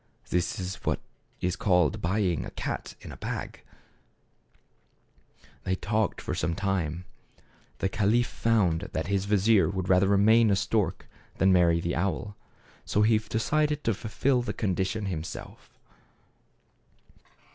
This is what is called buying a cat in a bag !" They talked for some time. The caliph found 102 THE CAB AVAN. that his vizier would rather remain a stork, than marry the owl, so he decided to fulfill the condi tion himself.